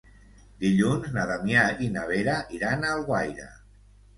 Dilluns na Damià i na Vera iran a Alguaire.